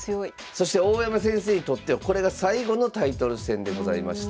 そして大山先生にとってはこれが最後のタイトル戦でございました。